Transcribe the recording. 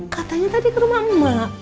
katanya tadi ke rumah emak emak